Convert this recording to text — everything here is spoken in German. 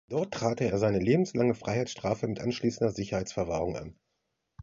Dort trat er seine lebenslange Freiheitsstrafe mit anschließender Sicherungsverwahrung an.